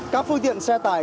các phương tiện xe tải